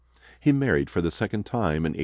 He married for the second time in 1848.